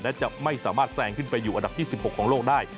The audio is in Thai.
และจะไม่สามารถแซงขึ้นไปอยู่อันดับที่๑๖ของโลกได้